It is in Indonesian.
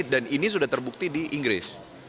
dan ini sudah terbukti di inggris